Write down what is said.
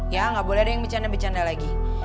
ya nggak boleh ada yang bercanda bercanda lagi